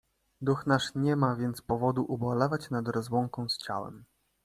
"Duch nasz nie ma więc powodu ubolewać nad rozłąką z ciałem."